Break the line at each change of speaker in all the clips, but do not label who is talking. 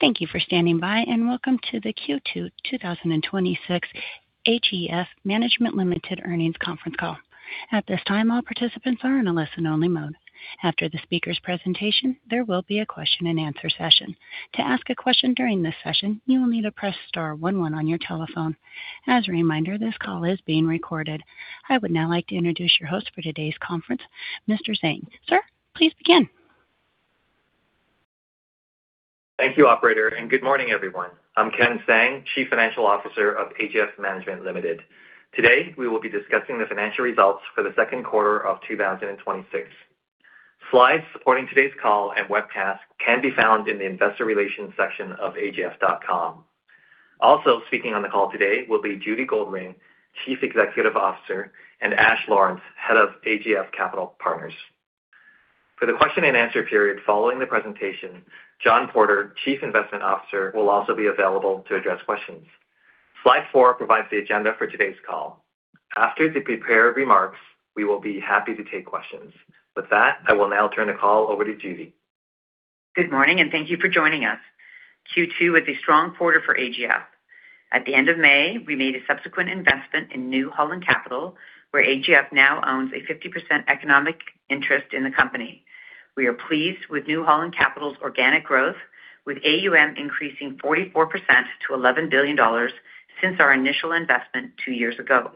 Thank you for standing by, and welcome to the Q2 2026 AGF Management Limited Earnings Conference Call. At this time, all participants are in a listen-only mode. After the speaker's presentation, there will be a question and answer session. To ask a question during this session, you will need to press star one one on your telephone. As a reminder, this call is being recorded. I would now like to introduce your host for today's conference, Mr. Tsang. Sir, please begin.
Thank you, operator. Good morning, everyone. I'm Ken Tsang, Chief Financial Officer of AGF Management Limited. Today, we will be discussing the financial results for the second quarter of 2026. Slides supporting today's call and webcast can be found in the investor relations section of agf.com. Also speaking on the call today will be Judy Goldring, Chief Executive Officer, and Ash Lawrence, Head of AGF Capital Partners. For the question and answer period following the presentation, John Porter, Chief Investment Officer, will also be available to address questions. Slide four provides the agenda for today's call. After the prepared remarks, we will be happy to take questions. With that, I will now turn the call over to Judy.
Good morning. Thank you for joining us. Q2 was a strong quarter for AGF. At the end of May, we made a subsequent investment in New Holland Capital, where AGF now owns a 50% economic interest in the company. We are pleased with New Holland Capital's organic growth, with AUM increasing 44% to 11 billion dollars since our initial investment two years ago.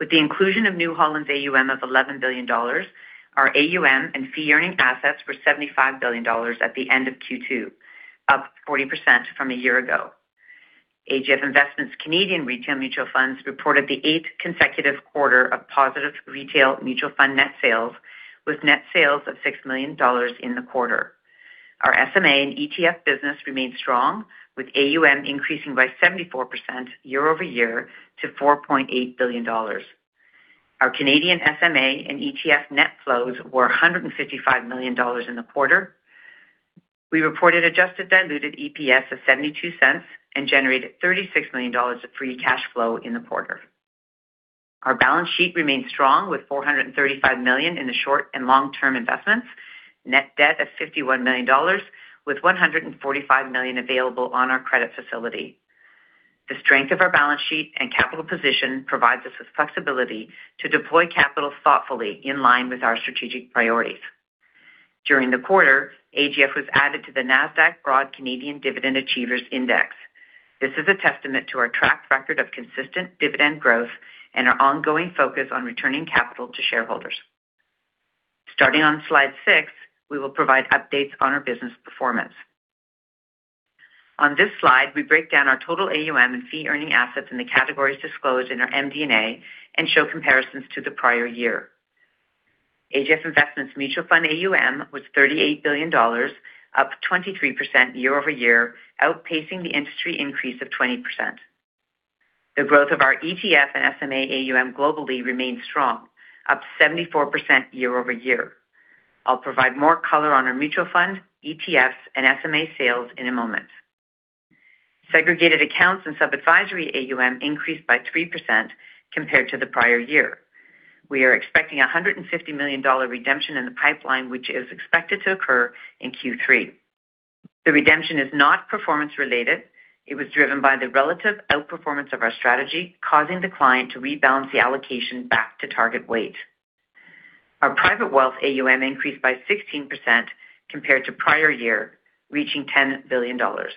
With the inclusion of New Holland's AUM of 11 billion dollars, our AUM and fee-earning assets were 75 billion dollars at the end of Q2, up 40% from a year ago. AGF Investments Canadian Retail Mutual Funds reported the eighth consecutive quarter of positive retail mutual fund net sales, with net sales of 6 million dollars in the quarter. Our SMA and ETF business remained strong, with AUM increasing by 74% year-over-year to 4.8 billion dollars. Our Canadian SMA and ETF net flows were 155 million dollars in the quarter. We reported adjusted diluted EPS of 0.72 and generated 36 million dollars of free cash flow in the quarter. Our balance sheet remained strong with 435 million in the short and long-term investments. Net debt of 51 million dollars, with 145 million available on our credit facility. The strength of our balance sheet and capital position provides us with flexibility to deploy capital thoughtfully in line with our strategic priorities. During the quarter, AGF was added to the Nasdaq Broad Canadian Dividend Achievers Index. This is a testament to our track record of consistent dividend growth and our ongoing focus on returning capital to shareholders. Starting on slide six, we will provide updates on our business performance. On this slide, we break down our total AUM and fee-earning assets in the categories disclosed in our MD&A and show comparisons to the prior year. AGF Investments Mutual Fund AUM was 38 billion dollars, up 23% year-over-year, outpacing the industry increase of 20%. The growth of our ETF and SMA AUM globally remained strong, up 74% year-over-year. I will provide more color on our mutual fund, ETFs, and SMA sales in a moment. Segregated accounts and sub-advisory AUM increased by 3% compared to the prior year. We are expecting a 150 million dollar redemption in the pipeline, which is expected to occur in Q3. The redemption is not performance related. It was driven by the relative outperformance of our strategy, causing the client to rebalance the allocation back to target weight. Our AGF Private Wealth AUM increased by 16% compared to prior year, reaching 10 billion dollars.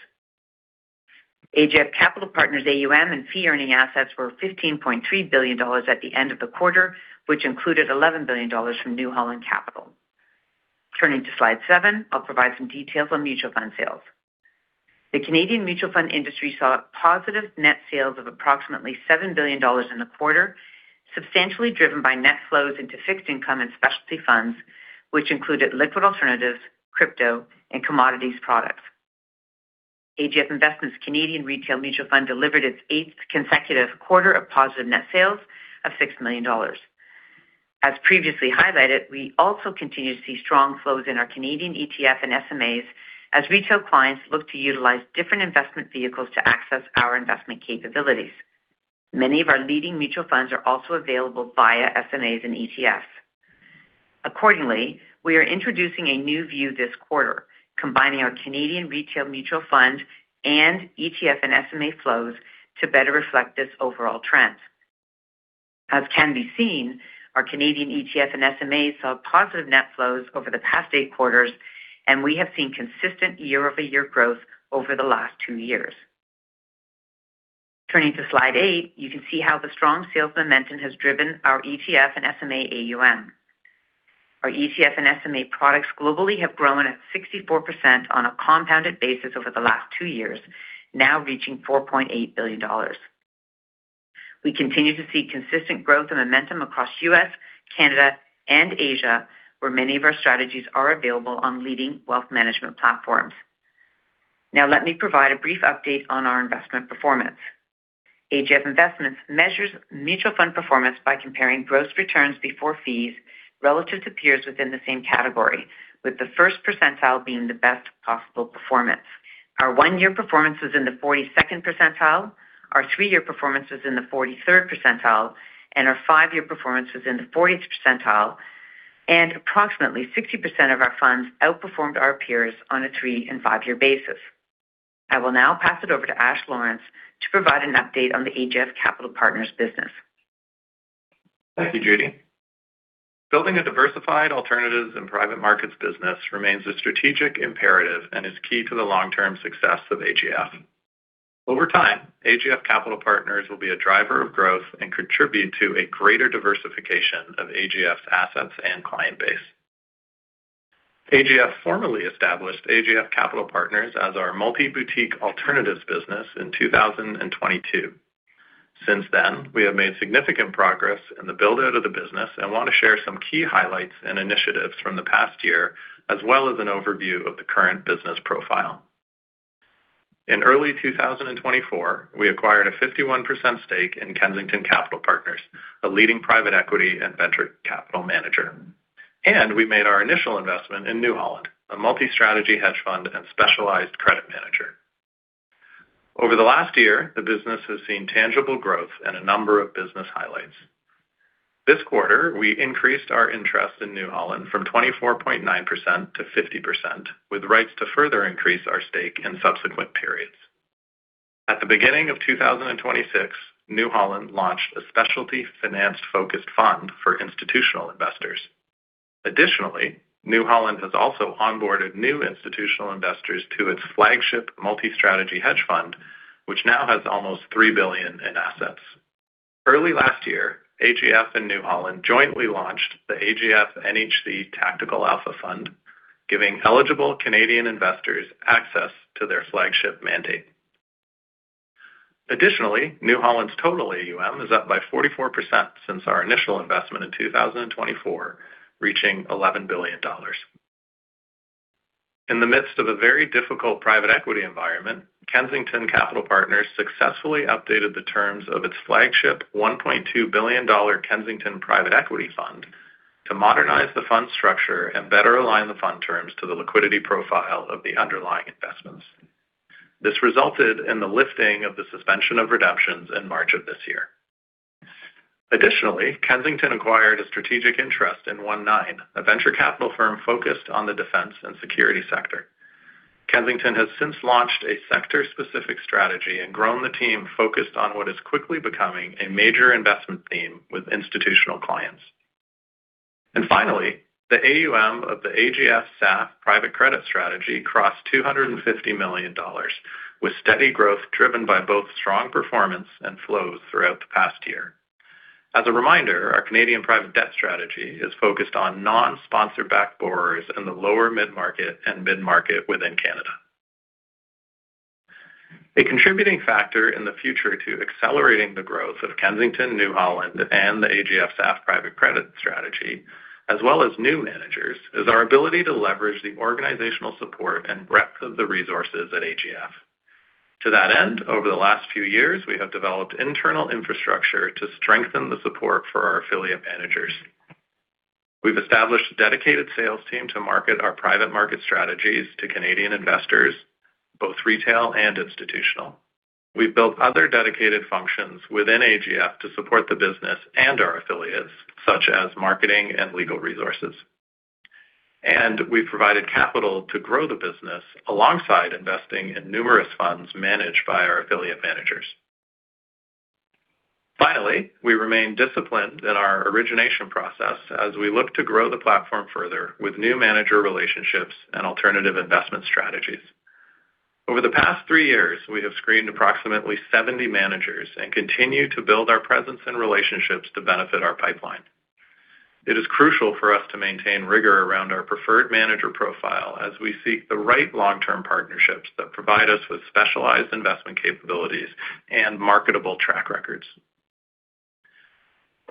AGF Capital Partners AUM and fee-earning assets were 15.3 billion dollars at the end of the quarter, which included 11 billion dollars from New Holland Capital. Turning to slide seven, I will provide some details on mutual fund sales. The Canadian mutual fund industry saw positive net sales of approximately 7 billion dollars in the quarter, substantially driven by net flows into fixed income and specialty funds, which included liquid alternatives, crypto, and commodities products. AGF Investments Canadian Retail Mutual Fund delivered its eighth consecutive quarter of positive net sales of 6 million dollars. As previously highlighted, we also continue to see strong flows in our Canadian ETF and SMAs as retail clients look to utilize different investment vehicles to access our investment capabilities. Many of our leading mutual funds are also available via SMAs and ETFs. Accordingly, we are introducing a new view this quarter, combining our Canadian retail mutual fund and ETF and SMA flows to better reflect this overall trend. As can be seen, our Canadian ETF and SMAs saw positive net flows over the past eight quarters, and we have seen consistent year-over-year growth over the last two years. Turning to slide eight, you can see how the strong sales momentum has driven our ETF and SMA AUM. Our ETF and SMA products globally have grown at 64% on a compounded basis over the last two years, now reaching 4.8 billion dollars. We continue to see consistent growth and momentum across U.S., Canada, and Asia, where many of our strategies are available on leading wealth management platforms. Now let me provide a brief update on our investment performance. AGF Investments measures mutual fund performance by comparing gross returns before fees relative to peers within the same category, with the first percentile being the best possible performance. Our one-year performance was in the 42nd percentile, our three-year performance was in the 43rd percentile, and our five-year performance was in the 40th percentile. Approximately 60% of our funds outperformed our peers on a three and five-year basis. I will now pass it over to Ash Lawrence to provide an update on the AGF Capital Partners business.
Thank you, Judy. Building a diversified alternatives and private markets business remains a strategic imperative and is key to the long-term success of AGF. Over time, AGF Capital Partners will be a driver of growth and contribute to a greater diversification of AGF's assets and client base. AGF formally established AGF Capital Partners as our multi-boutique alternatives business in 2022. Since then, we have made significant progress in the build-out of the business and want to share some key highlights and initiatives from the past year, as well as an overview of the current business profile. In early 2024, we acquired a 51% stake in Kensington Capital Partners, a leading private equity and venture capital manager. We made our initial investment in New Holland, a multi-strategy hedge fund and specialized credit manager. Over the last year, the business has seen tangible growth and a number of business highlights. This quarter, we increased our interest in New Holland from 24.9% to 50%, with rights to further increase our stake in subsequent periods. At the beginning of 2026, New Holland launched a specialty finance-focused fund for institutional investors. Additionally, New Holland has also onboarded new institutional investors to its flagship multi-strategy hedge fund, which now has almost 3 billion in assets. Early last year, AGF and New Holland jointly launched the AGF NHC Tactical Alpha Fund, giving eligible Canadian investors access to their flagship mandate. Additionally, New Holland's total AUM is up by 44% since our initial investment in 2024, reaching 11 billion dollars. In the midst of a very difficult private equity environment, Kensington Capital Partners successfully updated the terms of its flagship 1.2 billion dollar Kensington Private Equity Fund to modernize the fund structure and better align the fund terms to the liquidity profile of the underlying investments. This resulted in the lifting of the suspension of redemptions in March of this year. Additionally, Kensington acquired a strategic interest in ONE9, a venture capital firm focused on the defense and security sector. Kensington has since launched a sector-specific strategy and grown the team focused on what is quickly becoming a major investment theme with institutional clients. Finally, the AUM of the AGF SAF Private Credit Strategy crossed 250 million dollars, with steady growth driven by both strong performance and flows throughout the past year. As a reminder, our Canadian private debt strategy is focused on non-sponsor-backed borrowers in the lower mid-market and mid-market within Canada. A contributing factor in the future to accelerating the growth of Kensington, New Holland, and the AGF SAF Private Credit Strategy, as well as new managers, is our ability to leverage the organizational support and breadth of the resources at AGF. To that end, over the last few years, we have developed internal infrastructure to strengthen the support for our affiliate managers. We've established a dedicated sales team to market our private market strategies to Canadian investors, both retail and institutional. We've built other dedicated functions within AGF to support the business and our affiliates, such as marketing and legal resources. We've provided capital to grow the business alongside investing in numerous funds managed by our affiliate managers. Finally, we remain disciplined in our origination process as we look to grow the platform further with new manager relationships and alternative investment strategies. Over the past three years, we have screened approximately 70 managers and continue to build our presence and relationships to benefit our pipeline. It is crucial for us to maintain rigor around our preferred manager profile as we seek the right long-term partnerships that provide us with specialized investment capabilities and marketable track records.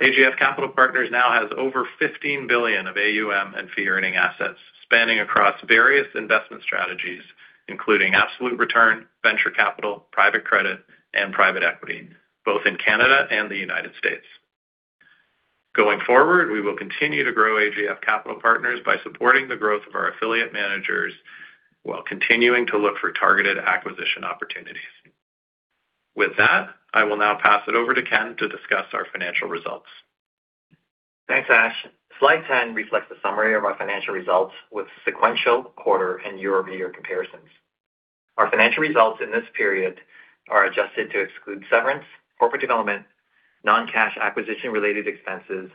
AGF Capital Partners now has over 15 billion of AUM and fee-earning assets spanning across various investment strategies, including absolute return, venture capital, private credit, and private equity, both in Canada and the United States. Going forward, we will continue to grow AGF Capital Partners by supporting the growth of our affiliate managers while continuing to look for targeted acquisition opportunities. With that, I will now pass it over to Ken to discuss our financial results.
Thanks, Ash. Slide 10 reflects a summary of our financial results with sequential quarter and year-over-year comparisons. Our financial results in this period are adjusted to exclude severance, corporate development, non-cash acquisition related expenses,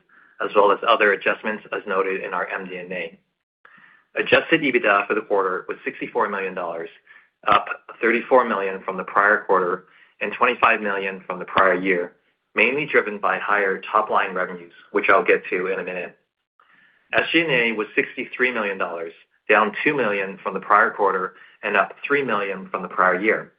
as well as other adjustments as noted in our MD&A. Adjusted EBITDA for the quarter was 64 million dollars, up 34 million from the prior quarter and 25 million from the prior year, mainly driven by higher top-line revenues, which I'll get to in a minute. SG&A was 63 million dollars, down 2 million from the prior quarter and up 3 million from the prior year.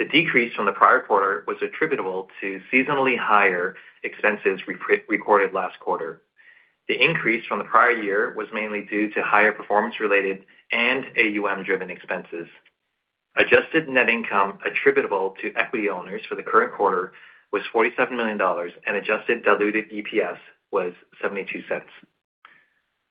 The decrease from the prior quarter was attributable to seasonally higher expenses recorded last quarter. The increase from the prior year was mainly due to higher performance-related and AUM-driven expenses. Adjusted net income attributable to equity owners for the current quarter was 47 million dollars, and adjusted diluted EPS was 0.72.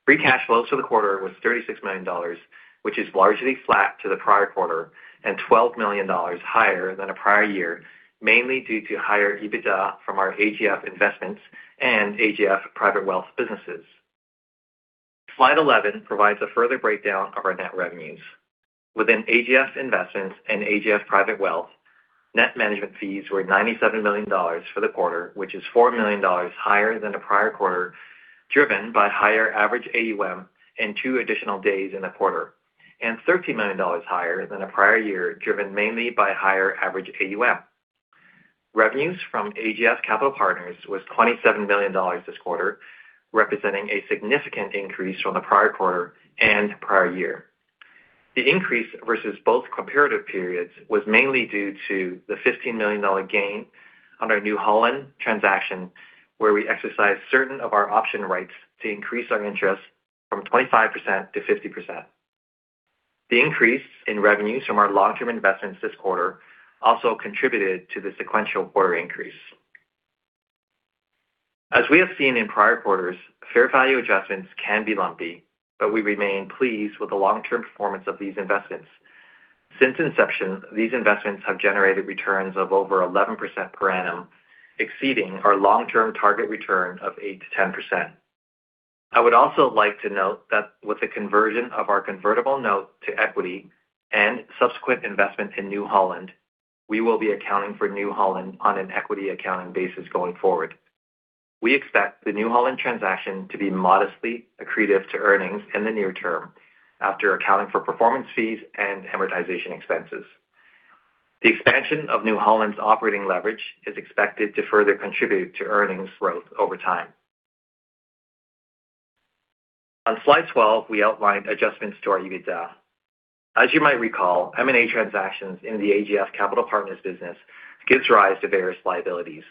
Free cash flows for the quarter was 36 million dollars, which is largely flat to the prior quarter, and 12 million dollars higher than the prior year, mainly due to higher EBITDA from our AGF Investments and AGF Private Wealth businesses. Slide 11 provides a further breakdown of our net revenues. Within AGF Investments and AGF Private Wealth, net management fees were 97 million dollars for the quarter, which is 4 million dollars higher than the prior quarter, driven by higher average AUM and two additional days in the quarter, and 13 million dollars higher than the prior year, driven mainly by higher average AUM. Revenues from AGF Capital Partners was 27 million dollars this quarter, representing a significant increase from the prior quarter and prior year. The increase versus both comparative periods was mainly due to the 15 million dollar gain on our New Holland transaction, where we exercised certain of our option rights to increase our interest from 25% to 50%. The increase in revenues from our long-term investments this quarter also contributed to the sequential quarter increase. As we have seen in prior quarters, fair value adjustments can be lumpy, but we remain pleased with the long-term performance of these investments. Since inception, these investments have generated returns of over 11% per annum, exceeding our long-term target return of 8%-10%. I would also like to note that with the conversion of our convertible note to equity and subsequent investment in New Holland, we will be accounting for New Holland on an equity accounting basis going forward. We expect the New Holland transaction to be modestly accretive to earnings in the near term after accounting for performance fees and amortization expenses. The expansion of New Holland's operating leverage is expected to further contribute to earnings growth over time. On slide 12, we outlined adjustments to our EBITDA. As you might recall, M&A transactions in the AGF Capital Partners business gives rise to various liabilities.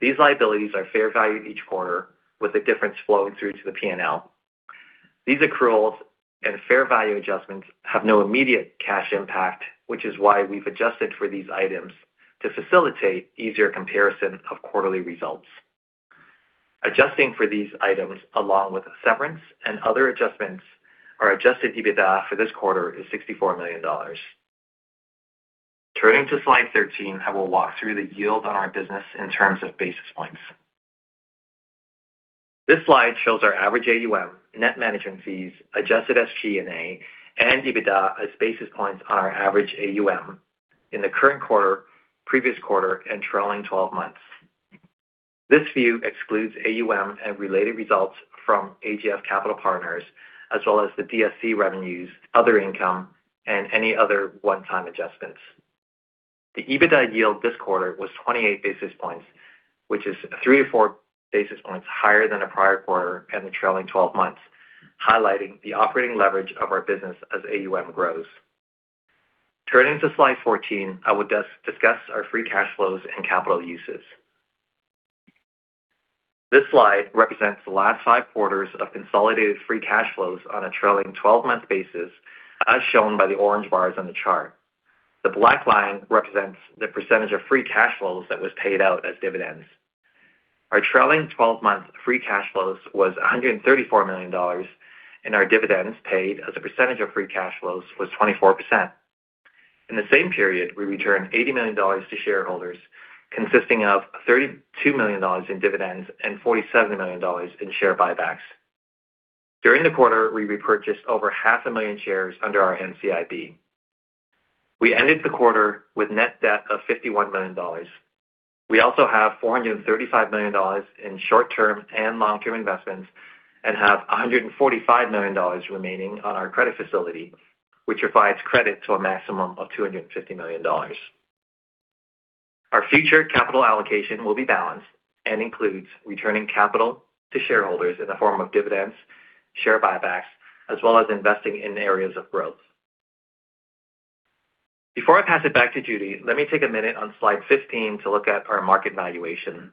These liabilities are fair valued each quarter, with the difference flowing through to the P&L. These accruals and fair value adjustments have no immediate cash impact, which is why we've adjusted for these items to facilitate easier comparison of quarterly results. Adjusting for these items, along with severance and other adjustments, our adjusted EBITDA for this quarter is 64 million dollars. Turning to slide 13, I will walk through the yield on our business in terms of basis points. This slide shows our average AUM, net management fees, adjusted SG&A, and EBITDA as basis points on our average AUM in the current quarter, previous quarter, and trailing 12 months. This view excludes AUM and related results from AGF Capital Partners, as well as the DSC revenues, other income, and any other one-time adjustments. The EBITDA yield this quarter was 28 basis points, which is 3 or 4 basis points higher than the prior quarter and the trailing 12 months, highlighting the operating leverage of our business as AUM grows. Turning to slide 14, I will discuss our free cash flows and capital uses. This slide represents the last five quarters of consolidated free cash flows on a trailing 12-month basis, as shown by the orange bars on the chart. The black line represents the percentage of free cash flows that was paid out as dividends. Our trailing 12-month free cash flows was 134 million dollars, and our dividends paid as a percentage of free cash flows was 24%. In the same period, we returned 80 million dollars to shareholders, consisting of 32 million dollars in dividends and 47 million dollars in share buybacks. During the quarter, we repurchased over half a million shares under our NCIB. We ended the quarter with net debt of 51 million dollars. We also have 435 million dollars in short-term and long-term investments and have 145 million dollars remaining on our credit facility, which provides credit to a maximum of 250 million dollars. Our future capital allocation will be balanced and includes returning capital to shareholders in the form of dividends, share buybacks, as well as investing in areas of growth. Before I pass it back to Judy, let me take a minute on slide 15 to look at our market valuation.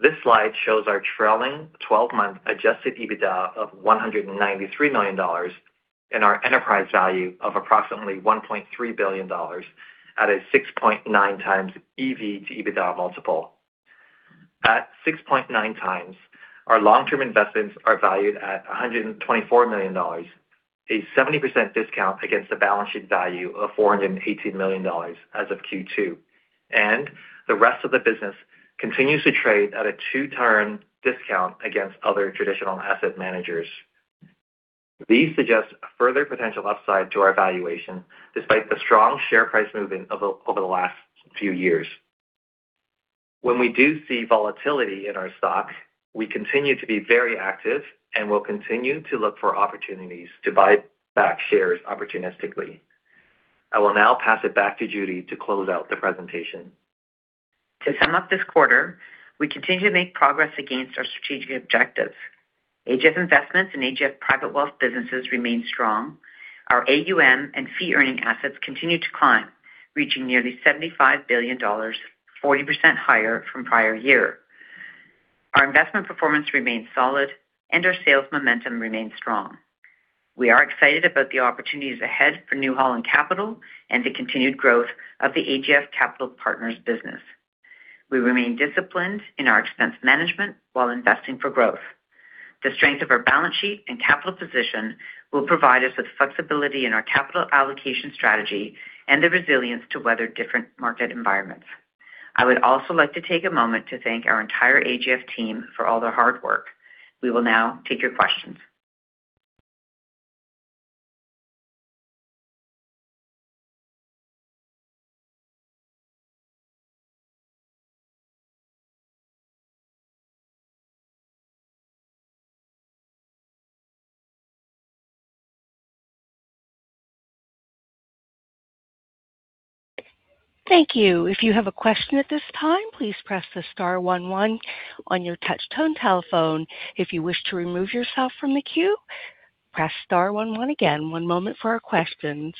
This slide shows our trailing 12-month adjusted EBITDA of 193 million dollars and our enterprise value of approximately 1.3 billion dollars at a 6.9x EV to EBITDA multiple. At 6.9x, our long-term investments are valued at 124 million dollars, a 70% discount against the balance sheet value of 418 million dollars as of Q2. The rest of the business continues to trade at a two-turn discount against other traditional asset managers. These suggest a further potential upside to our valuation, despite the strong share price movement over the last few years. When we do see volatility in our stock, we continue to be very active and will continue to look for opportunities to buy back shares opportunistically. I will now pass it back to Judy to close out the presentation.
To sum up this quarter, we continue to make progress against our strategic objectives. AGF Investments and AGF Private Wealth businesses remain strong. Our AUM and fee-earning assets continue to climb, reaching nearly 75 billion dollars, 40% higher from prior year. Our investment performance remains solid, and our sales momentum remains strong. We are excited about the opportunities ahead for New Holland Capital and the continued growth of the AGF Capital Partners business. We remain disciplined in our expense management while investing for growth. The strength of our balance sheet and capital position will provide us with flexibility in our capital allocation strategy and the resilience to weather different market environments. I would also like to take a moment to thank our entire AGF team for all their hard work. We will now take your questions.
Thank you. If you have a question at this time, please press the star one one on your touch tone telephone. If you wish to remove yourself from the queue, press star one one again. One moment for our questions.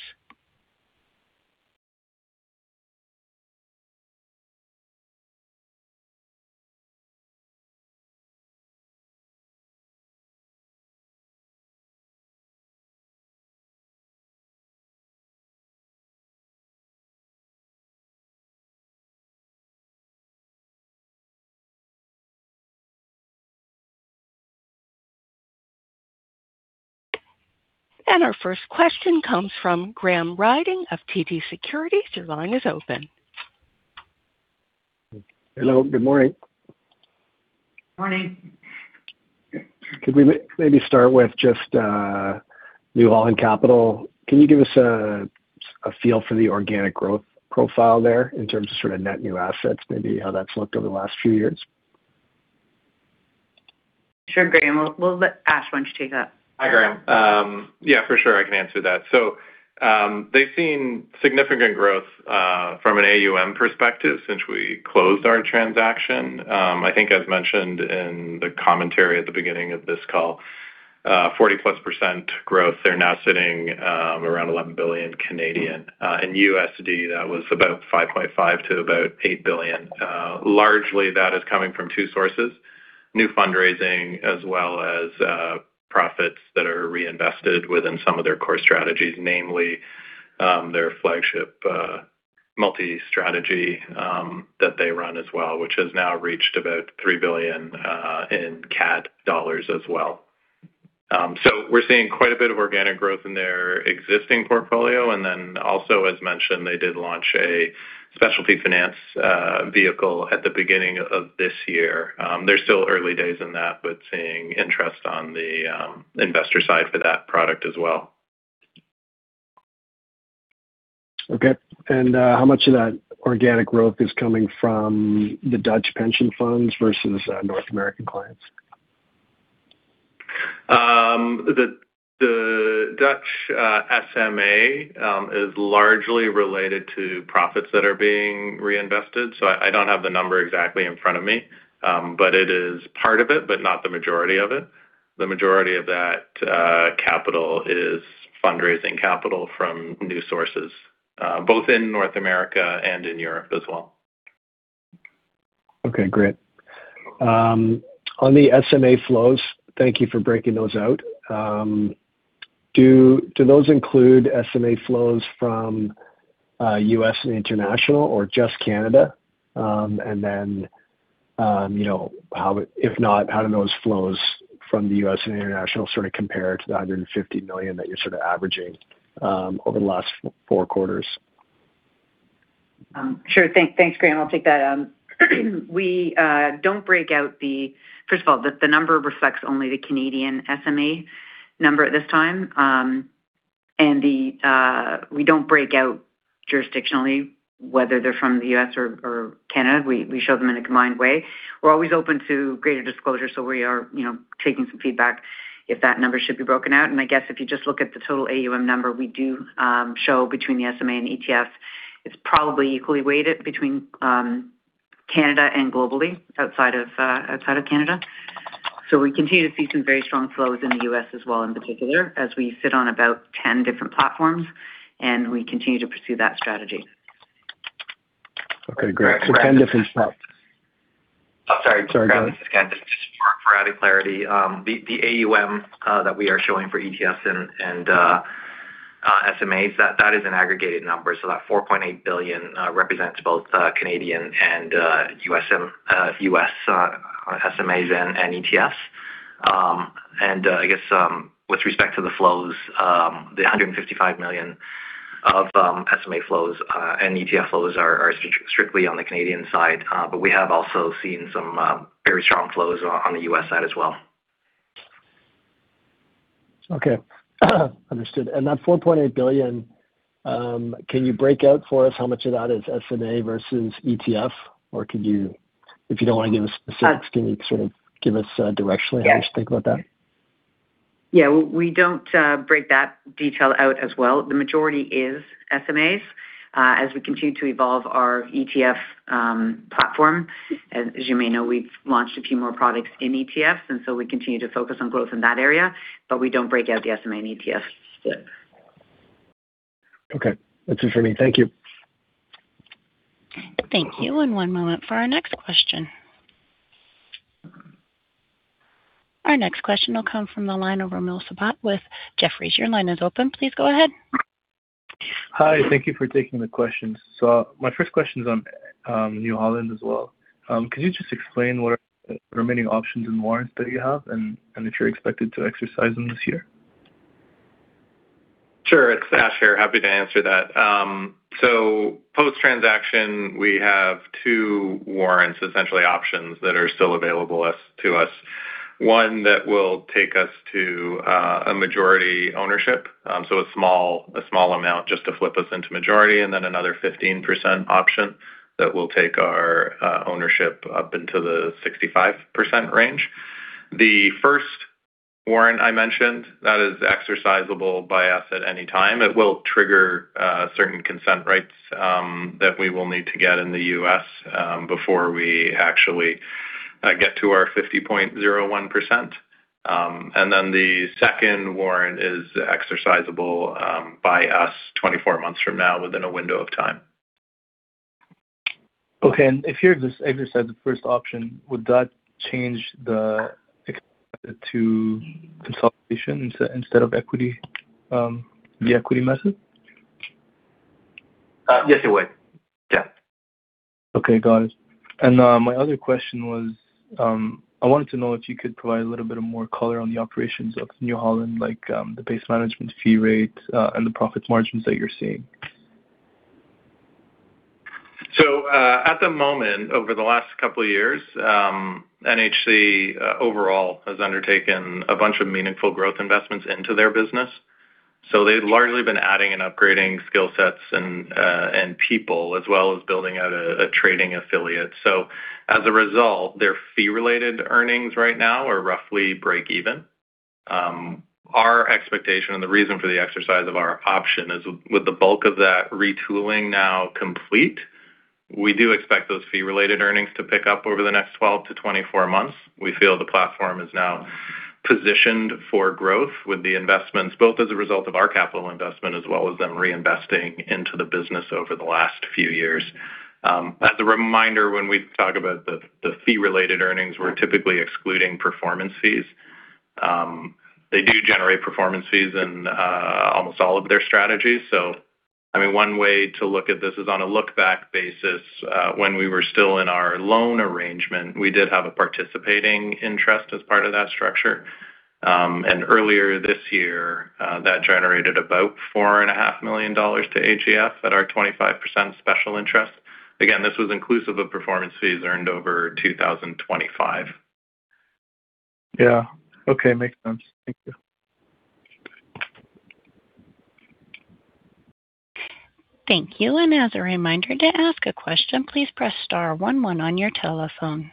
Our first question comes from Graham Ryding of TD Securities. Your line is open.
Hello. Good morning.
Morning.
Could we maybe start with just New Holland Capital? Can you give us a feel for the organic growth profile there in terms of net new assets, maybe how that's looked over the last few years?
Sure, Graham. We'll let Ash, won't you take that?
Hi, Graham. Yeah, for sure I can answer that. They've seen significant growth, from an AUM perspective since we closed our transaction. I think as mentioned in the commentary at the beginning of this call, 40%+ growth. They're now sitting around 11 billion. In USD, that was about $5.5 billion-$8 billion. Largely that is coming from two sources, new fundraising as well as profits that are reinvested within some of their core strategies, namely their flagship multi-strategy that they run as well, which has now reached about 3 billion CAD as well. We're seeing quite a bit of organic growth in their existing portfolio. Also as mentioned, they did launch a specialty finance vehicle at the beginning of this year. They're still early days in that, seeing interest on the investor side for that product as well.
Okay. How much of that organic growth is coming from the Dutch pension funds versus North American clients?
The Dutch SMA is largely related to profits that are being reinvested. I don't have the number exactly in front of me. It is part of it, but not the majority of it. The majority of that capital is fundraising capital from new sources, both in North America and in Europe as well.
Okay, great. On the SMA flows, thank you for breaking those out. Do those include SMA flows from U.S. and international or just Canada? If not, how do those flows from the U.S. and international sort of compare to the 150 million that you're sort of averaging over the last four quarters?
Sure. Thanks, Graham. I'll take that. We don't break out first of all, the number reflects only the Canadian SMA number at this time. We don't break out jurisdictionally whether they're from the U.S. or Canada. We show them in a combined way. We're always open to greater disclosure, we are taking some feedback if that number should be broken out. I guess if you just look at the total AUM number we do show between the SMA and ETF, it's probably equally weighted between Canada and globally outside of Canada. We continue to see some very strong flows in the U.S. as well in particular as we sit on about 10 different platforms and we continue to pursue that strategy.
Okay, great. 10 different platforms.
Oh, sorry.
Sorry, go ahead.
Just for added clarity. The AUM that we are showing for ETFs and SMAs, that is an aggregated number. That 4.8 billion represents both Canadian and U.S. SMAs and ETFs. I guess with respect to the flows, the 155 million of SMA flows and ETF flows are strictly on the Canadian side. We have also seen some very strong flows on the U.S. side as well.
Okay. Understood. That 4.8 billion, can you break out for us how much of that is SMA versus ETF? If you don't want to give us specifics, can you sort of give us directionally how we should think about that?
Yeah. We don't break that detail out as well. The majority is SMAs. As we continue to evolve our ETF platform, as you may know, we've launched a few more products in ETFs, we continue to focus on growth in that area, but we don't break out the SMA and ETF split.
Okay. That's it for me. Thank you.
Thank you. One moment for our next question. Our next question will come from the line of Romel Sabat with Jefferies. Your line is open. Please go ahead.
Hi. Thank you for taking the question. My first question is on New Holland as well. Could you just explain what are the remaining options and warrants that you have, and if you're expected to exercise them this year?
Sure. It is Ash here. Happy to answer that. Post-transaction, we have two warrants, essentially options that are still available to us. One that will take us to a majority ownership. A small amount just to flip us into majority and then another 15% option that will take our ownership up into the 65% range. The first warrant I mentioned, that is exercisable by us at any time. It will trigger certain consent rights that we will need to get in the U.S. before we actually get to our 50.01%. The second warrant is exercisable by us 24 months from now within a window of time.
Okay. If you exercise the first option, would that change the to consolidation instead of the equity method?
Yes, it would. Yeah.
Okay, got it. My other question was, I wanted to know if you could provide a little bit of more color on the operations of New Holland, like the base management fee rate and the profit margins that you are seeing.
At the moment, over the last couple of years, NHC overall has undertaken a bunch of meaningful growth investments into their business. They've largely been adding and upgrading skill sets and people as well as building out a trading affiliate. As a result, their fee-related earnings right now are roughly break even. Our expectation and the reason for the exercise of our option is with the bulk of that retooling now complete, we do expect those fee-related earnings to pick up over the next 12-24 months. We feel the platform is now positioned for growth with the investments, both as a result of our capital investment as well as them reinvesting into the business over the last few years. As a reminder, when we talk about the fee-related earnings, we're typically excluding performance fees. They do generate performance fees in almost all of their strategies. One way to look at this is on a look-back basis. When we were still in our loan arrangement, we did have a participating interest as part of that structure. Earlier this year, that generated about 4.5 million dollars to AGF at our 25% special interest. Again, this was inclusive of performance fees earned over 2025.
Yeah. Okay. Makes sense. Thank you.
Thank you. As a reminder to ask a question, please press star one one on your telephone.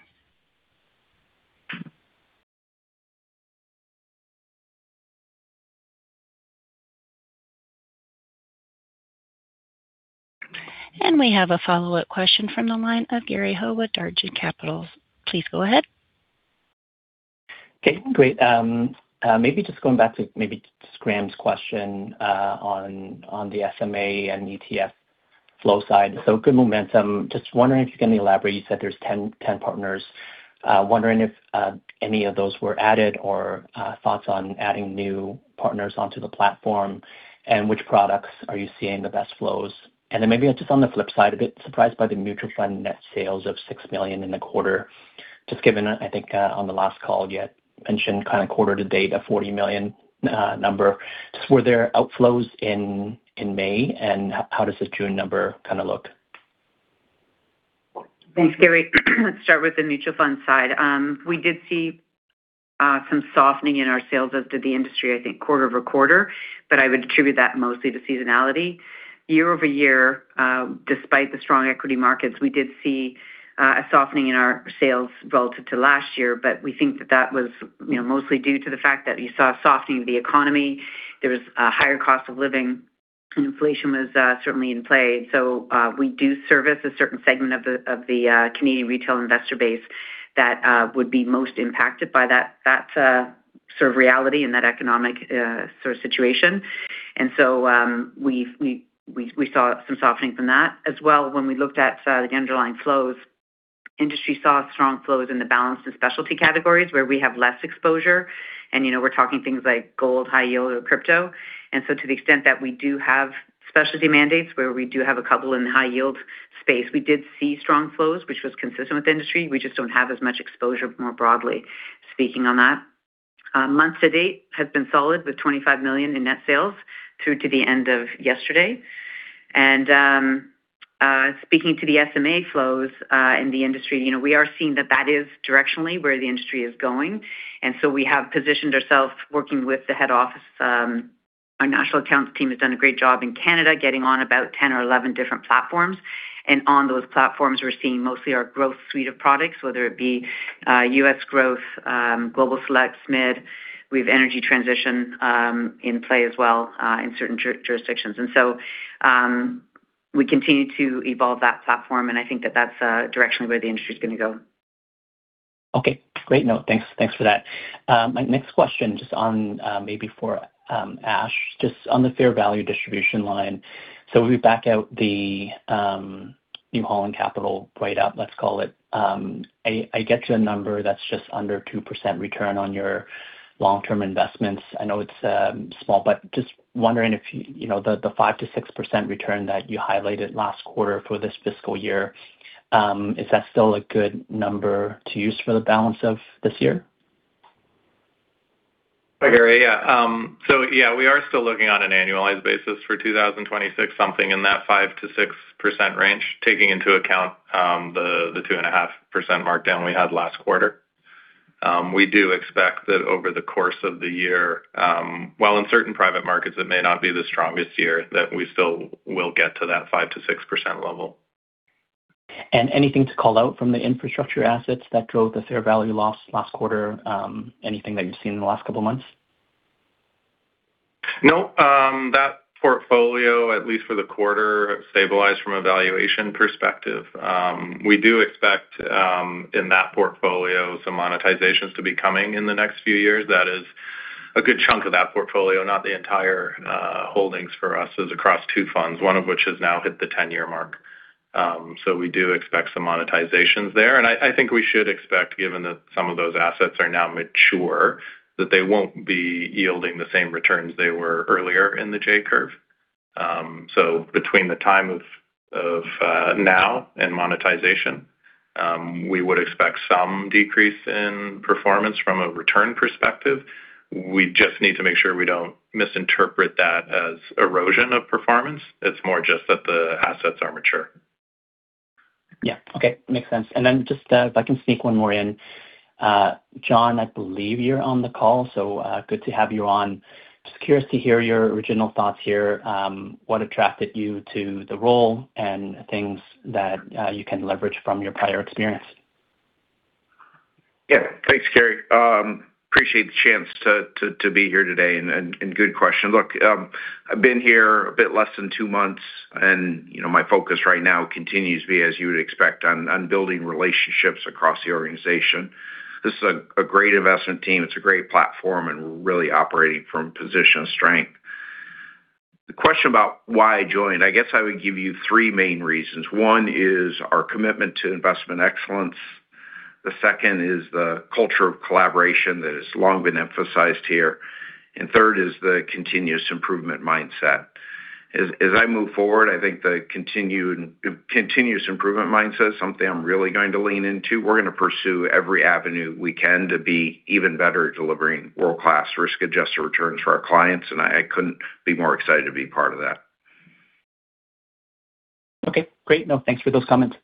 We have a follow-up question from the line of Gary Ho with Desjardins Capital. Please go ahead.
Okay, great. Maybe just going back to maybe Graham's question on the SMA and ETF flow side. Good momentum. Just wondering if you can elaborate. You said there's 10 partners. Wondering if any of those were added or thoughts on adding new partners onto the platform and which products are you seeing the best flows. Maybe just on the flip side, a bit surprised by the mutual fund net sales of 6 million in the quarter. Just given, I think on the last call you had mentioned kind of quarter to date a 40 million number. Were there outflows in May, and how does the June number kind of look?
Thanks, Gary. Let's start with the mutual fund side. We did see some softening in our sales as did the industry, I think quarter-over-quarter. I would attribute that mostly to seasonality. Year-over-year, despite the strong equity markets, we did see a softening in our sales relative to last year. We think that that was mostly due to the fact that you saw a softening of the economy. There was a higher cost of living, and inflation was certainly in play. We do service a certain segment of the Canadian retail investor base that would be most impacted by that sort of reality and that economic sort of situation. We saw some softening from that. As well, when we looked at the underlying flows, industry saw strong flows in the balance and specialty categories where we have less exposure. We're talking things like gold, high yield, or crypto. To the extent that we do have specialty mandates where we do have a couple in the high yield space, we did see strong flows which was consistent with industry. We just don't have as much exposure more broadly speaking on that. Month to date has been solid with 25 million in net sales through to the end of yesterday. Speaking to the SMA flows in the industry, we are seeing that that is directionally where the industry is going. We have positioned ourselves working with the head office. Our national accounts team has done a great job in Canada getting on about 10 or 11 different platforms. On those platforms, we're seeing mostly our growth suite of products, whether it be U.S. growth, global select, SMID. We have energy transition in play as well in certain jurisdictions. We continue to evolve that platform, and I think that that's directionally where the industry is going to go.
Great note. Thanks for that. My next question, just on maybe for Ash, just on the fair value distribution line. We back out the New Holland Capital write-up, let's call it. I get to a number that's just under 2% return on your long-term investments. I know it's small, but just wondering if the 5%-6% return that you highlighted last quarter for this fiscal year, is that still a good number to use for the balance of this year?
Hi, Gary. Yeah. Yeah, we are still looking on an annualized basis for 2026, something in that 5%-6% range, taking into account the 2.5% markdown we had last quarter. We do expect that over the course of the year, while in certain private markets, it may not be the strongest year, that we still will get to that 5%-6% level.
Anything to call out from the infrastructure assets that drove the fair value loss last quarter? Anything that you've seen in the last couple of months?
No, that portfolio, at least for the quarter, stabilized from a valuation perspective. We do expect in that portfolio some monetizations to be coming in the next few years. That is a good chunk of that portfolio, not the entire holdings for us, is across two funds, one of which has now hit the 10-year mark. We do expect some monetizations there. I think we should expect, given that some of those assets are now mature, that they won't be yielding the same returns they were earlier in the J-curve. Between the time of now and monetization, we would expect some decrease in performance from a return perspective. We just need to make sure we don't misinterpret that as erosion of performance. It's more just that the assets are mature.
Yeah. Okay, makes sense. Just if I can sneak one more in. John, I believe you're on the call, so good to have you on. Just curious to hear your original thoughts here. What attracted you to the role and things that you can leverage from your prior experience?
Yeah. Thanks, Gary. Appreciate the chance to be here today, and good question. Look, I've been here a bit less than two months, and my focus right now continues to be, as you would expect, on building relationships across the organization. This is a great investment team, it's a great platform, and we're really operating from a position of strength. The question about why I joined, I guess I would give you three main reasons. One is our commitment to investment excellence. The second is the culture of collaboration that has long been emphasized here. Third is the continuous improvement mindset. As I move forward, I think the continuous improvement mindset is something I'm really going to lean into. We're going to pursue every avenue we can to be even better at delivering world-class risk-adjusted returns for our clients, and I couldn't be more excited to be part of that.
Okay, great. No, thanks for those comments.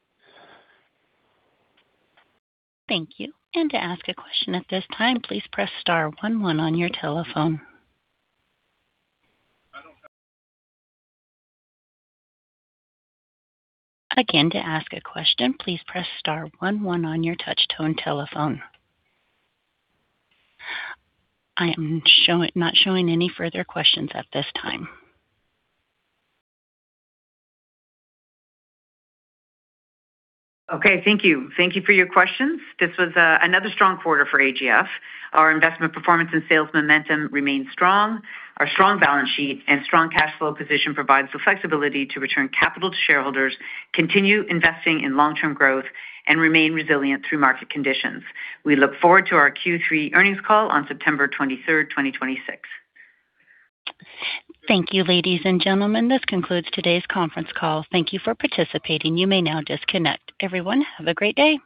Thank you. To ask a question at this time, please press *11 on your telephone. Again, to ask a question, please press star one one on your touch-tone telephone. I am not showing any further questions at this time.
Okay. Thank you. Thank you for your questions. This was another strong quarter for AGF. Our investment performance and sales momentum remain strong. Our strong balance sheet and strong cash flow position provides the flexibility to return capital to shareholders, continue investing in long-term growth, and remain resilient through market conditions. We look forward to our Q3 earnings call on September 23rd, 2026.
Thank you, ladies and gentlemen. This concludes today's conference call. Thank you for participating. You may now disconnect. Everyone, have a great day.